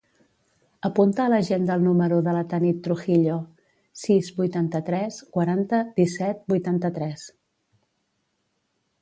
Apunta a l'agenda el número de la Tanit Trujillo: sis, vuitanta-tres, quaranta, disset, vuitanta-tres.